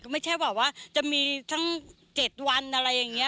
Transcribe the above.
ไม่ใช่แบบว่าจะมีทั้ง๗วันอะไรอย่างนี้